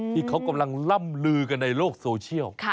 ที่เขากำลังล่ำลือกันในโลกโซเชียล